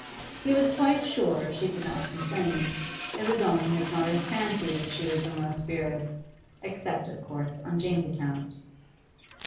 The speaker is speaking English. He was quite sure she did not complain; it was only his mother's fancy that she was in low spirits, except, of course, on Jane's account.